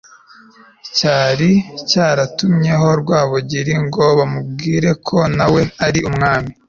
cyari cyatumyeho rwabugiri ngo bamubwire ko na we ari umwami